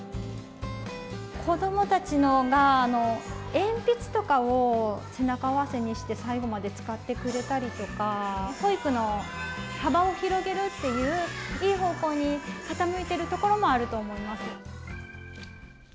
子どもたちが鉛筆とかを背中合わせにして、最後まで使ってくれたりとか、保育の幅を広げるっていう、いい方向に傾いているところもあると思います。